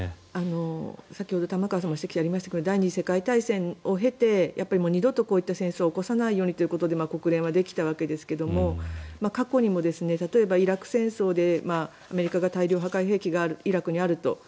先ほど玉川さんの指摘もありましたが第２次世界大戦を経て二度とこういう戦争を起こさないようにということで国連はできたわけですが過去にも例えば、イラク戦争でアメリカが大量破壊兵器がイラクにあると。